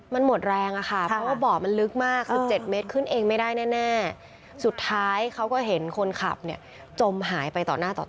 มันหมดแรงอะค่ะเพราะว่าบ่อมันลึกมาก๑๗เมตรขึ้นเองไม่ได้แน่สุดท้ายเขาก็เห็นคนขับเนี่ยจมหายไปต่อหน้าต่อ